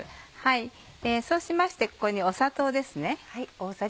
そうしましてここに砂糖です。